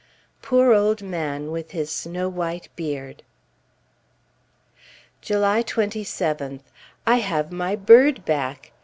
Poor old man, with his snow white beard! July 27th. I have my bird back!